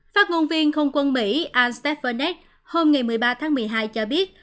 phát ngôn viên không quân mỹ al stephenet hôm một mươi ba tháng một mươi hai cho biết